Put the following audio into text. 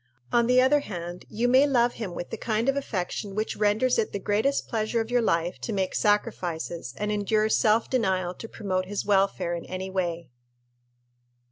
On the other hand, you may love him with the kind of affection which renders it the greatest pleasure of your life to make sacrifices and endure self denial to promote his welfare in any way.